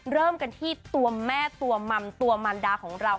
เริ่มกันที่ตัวแม่ตัวมัมตัวมันดาของเรา